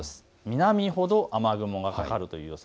南ほど雨雲がかかる予想。